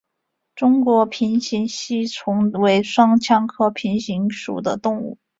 中国平形吸虫为双腔科平形属的动物。